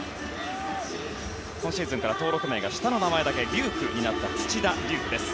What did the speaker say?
今シーズンから登録名が下の名前だけ龍空になった土田龍空です。